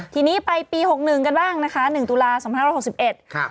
ทีนี้ไปปีหกหนึ่งกันบ้างนะคะหนึ่งตุลาสองพันร้อยหกสิบเอ็ดครับ